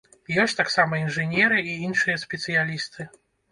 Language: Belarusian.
Ёсць таксама інжынеры і іншыя спецыялісты.